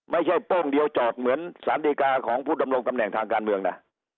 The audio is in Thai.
โป้งเดียวจอดเหมือนสารดีกาของผู้ดำรงตำแหน่งทางการเมืองนะ